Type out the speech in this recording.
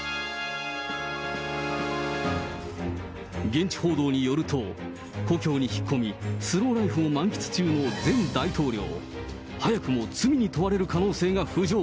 現地報道によると、故郷に引っ込み、スローライフを満喫中の前大統領、早くも罪に問われる可能性が浮上。